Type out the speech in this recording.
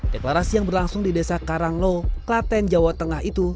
deklarasi yang berlangsung di desa karanglo klaten jawa tengah itu